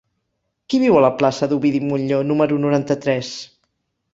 Qui viu a la plaça d'Ovidi Montllor número noranta-tres?